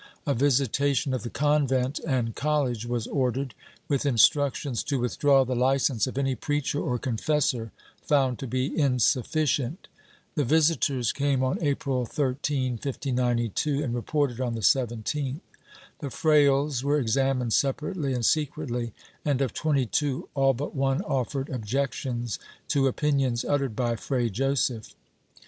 A visitation of the convent and col lege v^^as ordered, v/ith instructions to withdraw the licence of any preacher or confessor found to be insufficient. The visitors came on April 13, 1592 and reported on the 17th. The frailes were examined separately and secretly and, of twenty two, all but one offered objections to opinions uttered by Fray Joseph.